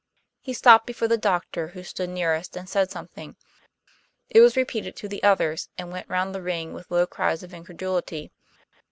He stopped before the doctor, who stood nearest, and said something. It was repeated to the others, and went round the ring with low cries of incredulity.